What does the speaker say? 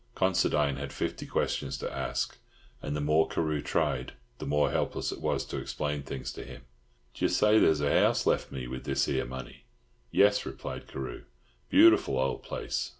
Considine had fifty questions to ask, and the more Carew tried, the more helpless it was to explain things to him. "D'you say there's a house left me with this here money?" "Yes," replied Carew. "Beautiful old place.